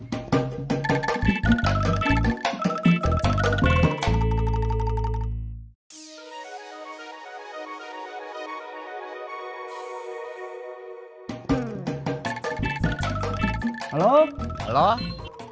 gatau lah sekarang bro